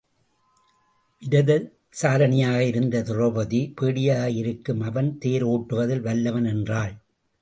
விரதசாரணியாக இருந்த திரெளபதி பேடியாக இருக்கும் அவன் தேர் ஒட்டுவதில் வல்லவன் என்றாள்.